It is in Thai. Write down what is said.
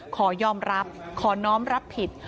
ขอยอมรับขอน้องรับผิด